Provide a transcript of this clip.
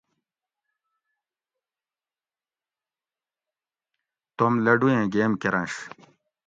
توم لڈو ایں گیم کرنش